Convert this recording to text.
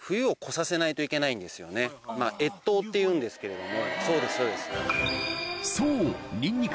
っていうんですけれども。